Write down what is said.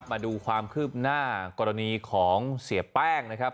มาดูความคืบหน้ากรณีของเสียแป้งนะครับ